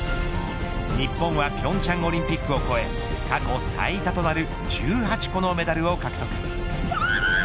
日本は平昌オリンピックを超え過去最多となる１８個のメダルを獲得。